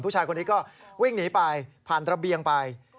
ผู้ชายคนนี้ก็วิ่งหนีไปผ่านระเบียงไป